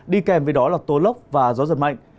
đi kèm với đó là tố lốc và gió giật mạnh